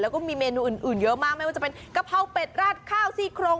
แล้วก็มีเมนูอื่นเยอะมากไม่ว่าจะเป็นกะเพราเป็ดราดข้าวซี่โครง